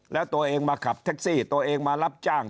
แล้วตัวเองมาขับแท็กซี่ตัวเองมารับจ้าง